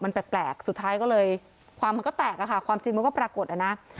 มันแปลกสุดท้ายก็เลยความมันก็แตกอะค่ะความจริงมันก็ปรากฏนะ